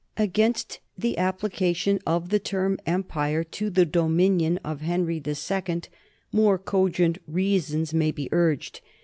Against the application of the term ' empire ' to the do minion of Henry II more cogent reasons may be urged.